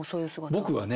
僕はね